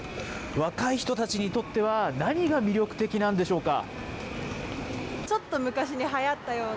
若い人たちにとっては、何が魅力的なんでしょうか。